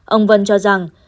ông vân cho rằng